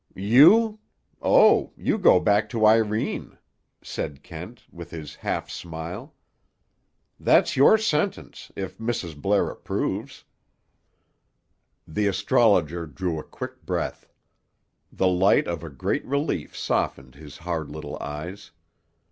"You? Oh! You go back to Irene," said Kent, with his half smile. "That's your sentence, if Mrs. Blair approves." The astrologer drew a quick breath. The light of a great relief softened his hard little eyes.